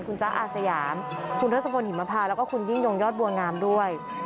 คุณจ๊ะอาสยามคุณทศพลหิมพาแล้วก็คุณยิ่งยงยอดบัวงามด้วย